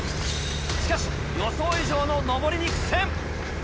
しかし予想以上の上りに苦戦。